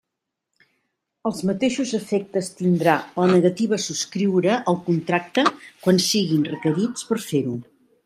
Els mateixos efectes tindrà la negativa a subscriure el contracte quan siguin requerits per fer-ho.